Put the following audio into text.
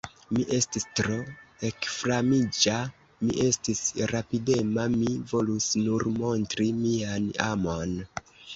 Mi estis tro ekflamiĝa, mi estis rapidema, mi volus nur montri mian amon.